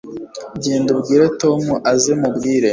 genda ubwire tom aze mubwire